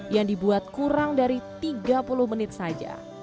yang dibuat kurang dari tiga puluh menit saja